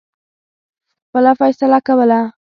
خپله فیصله کوله.